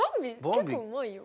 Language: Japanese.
結構うまいよ。